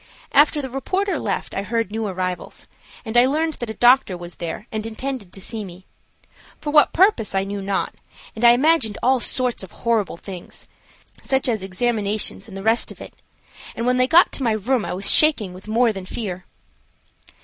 After the reporter left I heard new arrivals, and I learned that a doctor was there and intended to see me. For what purpose I knew not, and I imagined all sorts of horrible things, such as examinations and the rest of it, and when they got to my room I was shaking with more than fear.